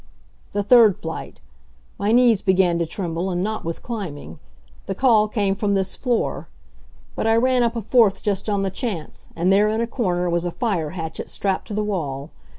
The third flight my knees began to tremble, and not with climbing. The call came from this floor. But I ran up a fourth just on the chance, and there in a corner was a fire hatchet strapped to the wall.